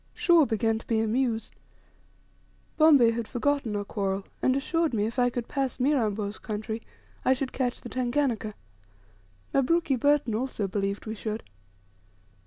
Shaw began to be amused. Bombay had forgotten our quarrel, and assured me, if I could pass Mirambo's country, I should "catch the Tanganika;" Mabruki Burton also believed we should.